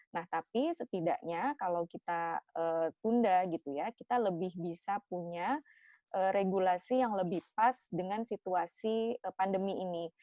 nah tapi setidaknya kalau kita tunda gitu ya kita lebih bisa punya regulasi yang lebih pas dengan situasi pandemi ini